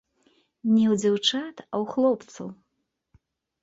Не ў дзяўчат, а ў хлопцаў.